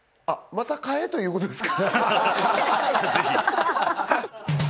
また買えということですか？